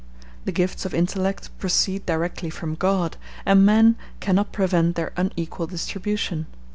The gifts of intellect proceed directly from God, and man cannot prevent their unequal distribution.